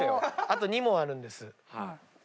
あと２問あるんです。